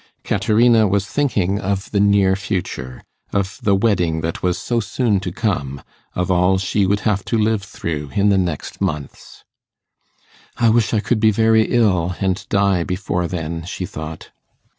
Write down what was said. Caterina was thinking of the near future of the wedding that was so soon to come of all she would have to live through in the next months. 'I wish I could be very ill, and die before then,' she thought.